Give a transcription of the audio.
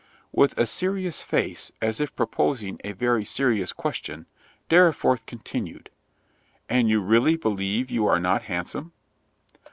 With a serious face, as if proposing a very serious question, Dorriforth continued, "And you really believe you are not handsome?"